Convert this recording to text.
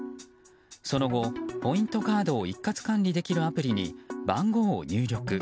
その後、ポイントカードを一括管理できるアプリに番号を入力。